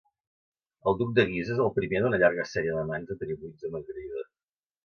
El duc de Guisa és el primer d'una llarga sèrie d'amants atribuïts a Margarida.